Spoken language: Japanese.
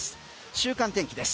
週間天気です。